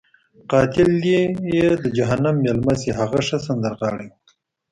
قاتل دې یې د جهنم میلمه شي، هغه ښه سندرغاړی وو.